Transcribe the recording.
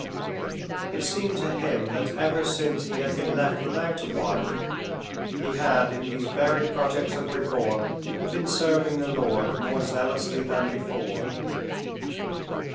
It seemed to him that ever since he had been left without a wife, he had in these very projects of reform been serving the Lord more zealously than before.